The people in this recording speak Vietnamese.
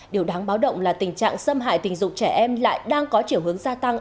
điều đáng báo động là tình trạng xâm hại tình dục trẻ em lại đang có chiều hướng gia tăng